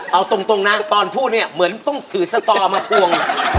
เอาตรงนะตอนพูดเนี่ยเหมือนต้องถือสตอมาทวง